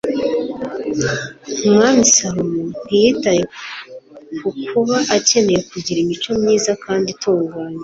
umwami salomo ntiyitaye ku kuba akeneye kugira imico myiza kandi itunganye